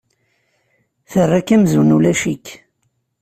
Terra-k amzun ulac-ik.